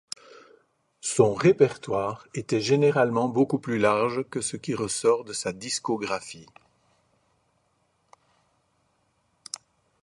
Son répertoire était généralement beaucoup plus large que ce qui ressort de sa discographie.